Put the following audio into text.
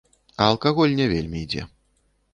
А алкаголь не вельмі ідзе.